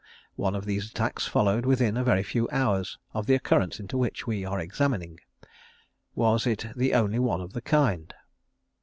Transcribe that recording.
One of these attacks followed within a very few hours of the occurrence into which we are examining. Was it the only one of the kind?